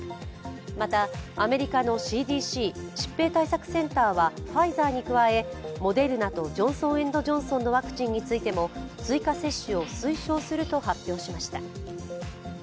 またアメリカのＣＤＣ＝疾病対策センターはファイザーに加え、モデルナとジョンソン・エンド・ジョンソンのワクチンについても追加接種を推奨すると発表しました。